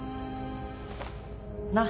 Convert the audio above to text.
なっ？